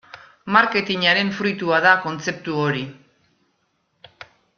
Marketingaren fruitua da kontzeptu hori.